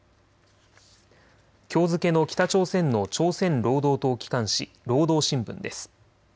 きょう付けの北朝鮮の朝鮮労働党機関紙、労働新聞です。